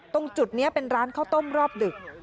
ตรงจุดนี้เป็นร้านข้าวต้มรอบดึก